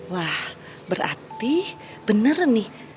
wah berarti bener nih